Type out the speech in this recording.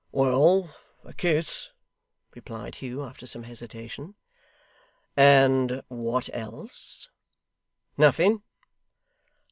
'Well a kiss,' replied Hugh, after some hesitation. 'And what else?' 'Nothing.